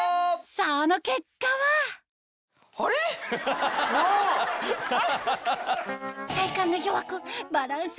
その結果はあれ？ハハハ！